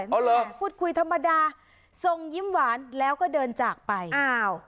อ๋อเหรอพูดคุยธรรมดาทรงยิ้มหวานแล้วก็เดินจากไปอ้าว